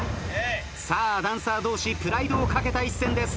さあダンサー同士プライドを懸けた１戦です。